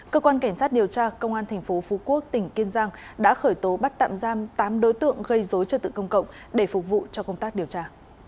cơ quan cảnh sát điều tra công an tp phú quốc tỉnh kiên giang đã khởi tố bắt tạm giam tám đối tượng gây dối trật tự công cộng để phục vụ cho công tác điều tra